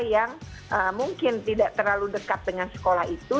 yang mungkin tidak terlalu dekat dengan sekolah itu